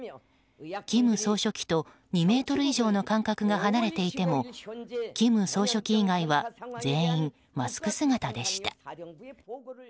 金総書記と２ｍ以上の間隔が離れていても金総書記以外は全員マスク姿でした。